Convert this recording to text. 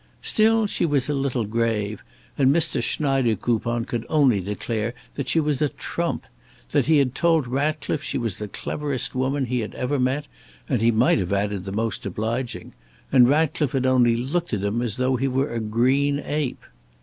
Still she was a little grave, and Mr. Schneidekoupon could only declare that she was a trump; that he had told Ratcliffe she was the cleverest woman he ever met, and he might have added the most obliging, and Ratcliffe had only looked at him as though he were a green ape.